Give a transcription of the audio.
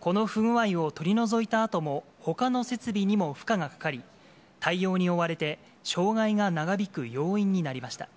この不具合を取り除いたあとも、ほかの設備にも負荷がかかり、対応に追われて、障害が長引く要因になりました。